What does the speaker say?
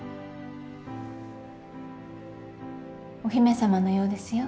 お姫様のようですよ。